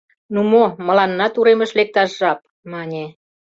— Ну мо, мыланнат уремыш лекташ жап! — мане.